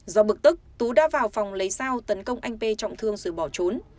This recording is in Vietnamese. do bức tức tú đã vào phòng lấy dao tấn công anh p trọng thương giữ bỏ trốn